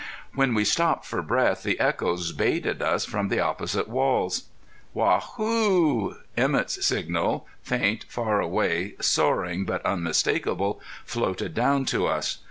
When we stopped for breath the echoes bayed at us from the opposite walls. "Waa hoo!" Emett's signal, faint, far away, soaring but unmistakable, floated down to us.